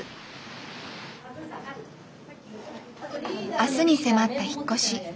明日に迫った引っ越し。